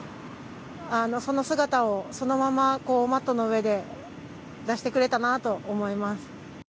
その姿を、そのままマットの上で出してくれたなと思います。